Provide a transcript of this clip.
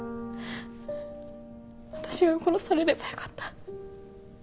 私が殺されればよかった。